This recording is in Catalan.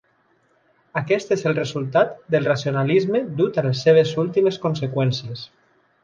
Aquest és el resultat del racionalisme dut a les seves últimes conseqüències.